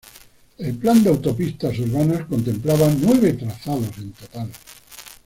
El Plan de autopistas urbanas contemplaba nueve trazados en total.